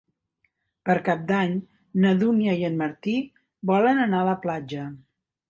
Per Cap d'Any na Dúnia i en Martí volen anar a la platja.